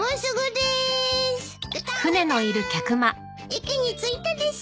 駅に着いたです。